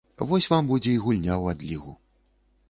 Вось вам будзе і гульня ў адлігу.